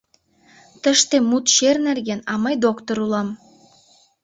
Тыште мут чер нерген, а мый доктыр улам.